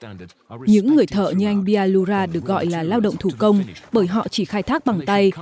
những người thợ như anh bia lura được gọi là lao động thủ công bởi họ chỉ khai thác bằng tay